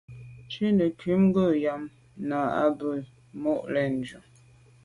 Ntù’ nekum ngu’ gham nà à be num mo’ le’njù.